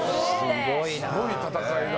すごい戦いだ。